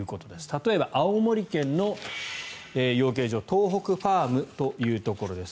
例えば青森県の養鶏場東北ファームというところです。